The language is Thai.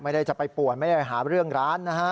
จะไปป่วนไม่ได้หาเรื่องร้านนะฮะ